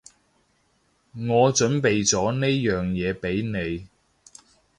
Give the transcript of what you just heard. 我準備咗呢樣嘢畀你